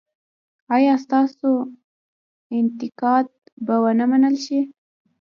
ایا ستاسو انتقاد به و نه منل شي؟